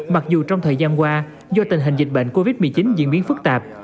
mặc dù trong thời gian qua do tình hình dịch bệnh covid một mươi chín diễn biến phức tạp